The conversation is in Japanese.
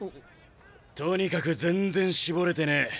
とにかく全然絞れてねえ。